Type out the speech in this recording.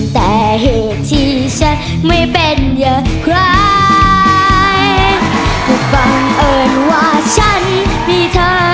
แต่เท่าที่ฉันไม่เป็นอย่างเคยก็ฟังเอิญว่าฉันมีเธอ